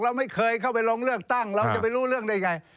เราไม่เคยเข้าไปลงเลือกตั้งเราจะไปรู้เรื่องได้ไง